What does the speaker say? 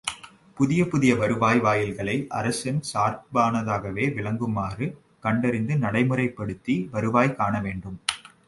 புதிய புதிய வருவாய் வாயில்களை அரசின் சார்பானதாகவே விளங்குமாறு கண்டறிந்து நடைமுறைப் படுத்தி, வருவாய் காணவேண்டும்.